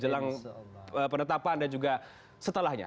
jelang penetapan dan juga setelahnya